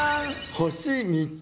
星３つ。